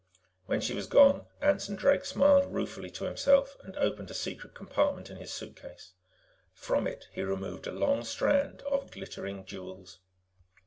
When she was gone, Anson Drake smiled ruefully to himself and opened a secret compartment in his suitcase. From it, he removed a long strand of glittering jewels.